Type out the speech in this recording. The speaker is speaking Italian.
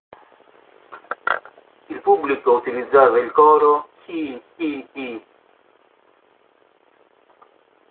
Il pubblico utilizzava il coro "Hi Hi Hi!